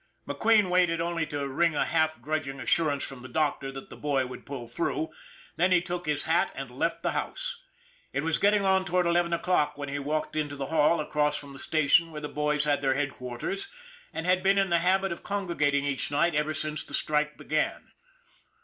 McQueen waited only to wring a half grudging assurance from the doctor that the boy would pull through, then he took his hat and left the house. It was getting on toward eleven o'clock when he walked into the hall across from the station where the boys had their headquarters, and had been in the habit of congregating each night ever since the strike began.